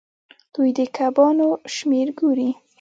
دوی د کبانو شمیر ګوري.